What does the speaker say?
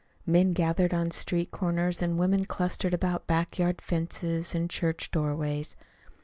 Men gathered on street corners and women clustered about back yard fences and church doorways.